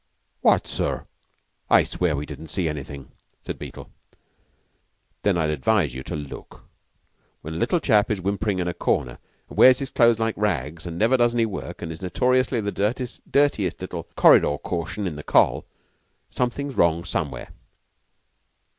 "What, sir? I I swear we didn't see anything," said Beetle. "Then I'd advise you to look. When a little chap is whimpering in a corner and wears his clothes like rags, and never does any work, and is notoriously the dirtiest little 'corridor caution' in the Coll., something's wrong somewhere."